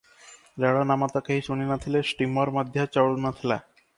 ରେଳ ନାମ ତ କେହି ଶୁଣି ନ ଥିଲେ, ଷ୍ଟୀମର ମଧ୍ୟ ଚଳୁନଥିଲା ।